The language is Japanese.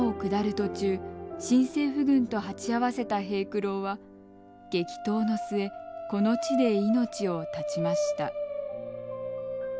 途中新政府軍と鉢合わせた平九郎は激闘の末この地で命を絶ちました。